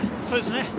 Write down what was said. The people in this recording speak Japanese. そうですね。